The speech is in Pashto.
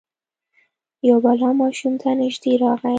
یو بلا ماشوم ته نژدې راغی.